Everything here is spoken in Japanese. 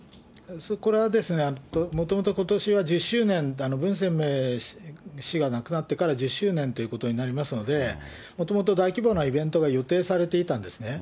これは、もともと、ことしは１０周年、文鮮明氏が亡くなってから１０周年ということになりますので、もともと大規模なイベントが予定されていたんですね。